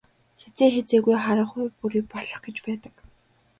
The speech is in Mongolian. Хэзээ хэзээгүй харанхуй бүрий болох гэж байдаг.